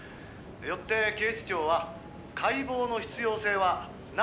「よって警視庁は解剖の必要性はないと判断しました」